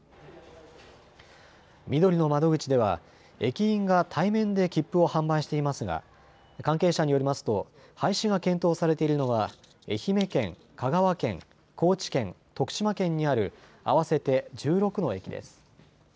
みどりの窓口では駅員が対面で切符を販売していますが関係者によりますと廃止が検討されているのは愛媛県、香川県、高知県、徳島県にある合わせて１６の駅です。